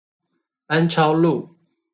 班超路